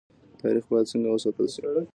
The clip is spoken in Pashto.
تاریخ باید څنګه وساتل شي؟